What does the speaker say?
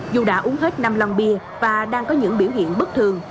dù đã uống hết năm lòng bia và đang có những biểu hiện bất thường